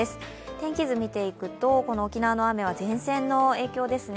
天気図を見ていくと沖縄の雨は前線の影響ですね。